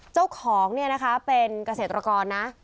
เจ้าของเป็นเกษตรกรนะ